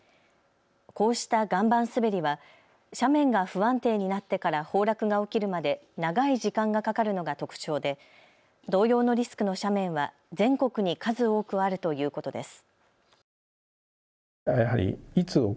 こうした岩盤すべりは斜面が不安定になってから崩落が起きるまで長い時間がかかるのが特徴で同様のリスクの斜面は全国に数多くあるということです。